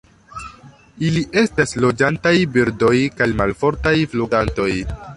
Ili estas loĝantaj birdoj kaj malfortaj flugantoj.